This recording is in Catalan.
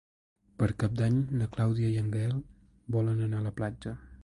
Per Cap d'Any na Clàudia i en Gaël volen anar a la platja.